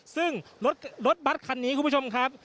ซึ่งรถบัตรคันนี้คุณผู้ชมครับ